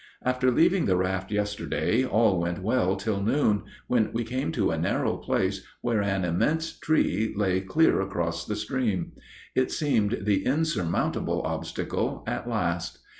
_) After leaving the raft yesterday all went well till noon, when we came to a narrow place where an immense tree lay clear across the stream. It seemed the insurmountable obstacle at last.